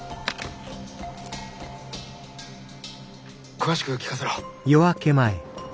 詳しく聞かせろ。